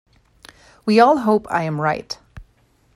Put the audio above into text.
We all hope I am right.